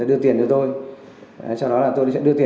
chưa được cạn kẽ